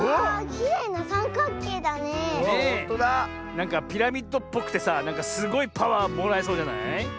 なんかピラミッドっぽくてさすごいパワーもらえそうじゃない？